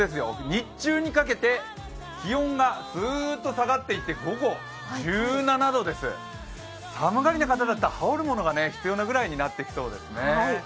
日中にかけて気温がずーっと下がっていって、午後、１７度です、寒がりな方だったら羽織るものが必要なくらいになってきますね。